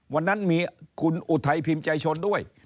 วันนั้นมีคุณอุทัยพิมพ์ใจชนด้วย